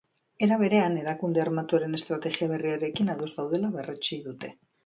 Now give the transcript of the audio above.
Era berean, erakunde armatuaren estrategia berriarekin ados daudela berretsi dute.